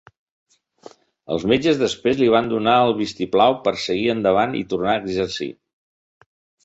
Els metges després li van donar el vistiplau per seguir endavant i tornar a exercir.